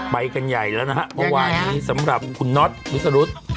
ใบกันใหญ่แล้วนะฮะยังไงสำหรับคุณน็อตวิสรุธค่ะ